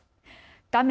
画面